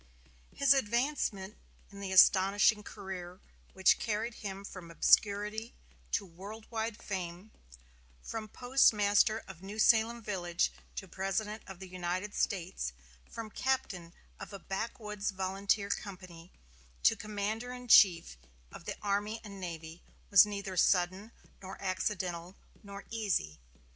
His advancement in the astonishing career which carried him from obscurity to world wide fame; from postmaster of New Salem village to President of the United States; from captain of a backwoods volunteer company to commander in chief of the army and navy, was neither sudden, nor accidental, nor easy.